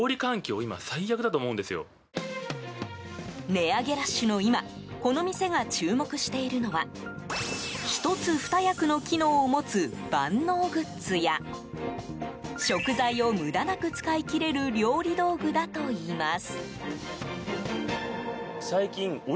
値上げラッシュの今この店が注目しているのは１つ２役の機能を持つ万能グッズや食材を無駄なく使い切れる料理道具だといいます。